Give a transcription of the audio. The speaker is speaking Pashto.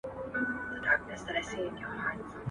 آيا ټولنيز علوم له طبيعي علومو سره سيالي کوي؟